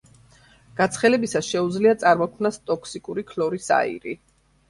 გაცხელებისას შეუძლია წარმოქმნას ტოქსიკური ქლორის აირი.